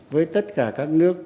với tất cả các nước